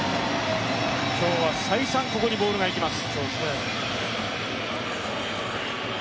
今日は再三ここにボールがいきます。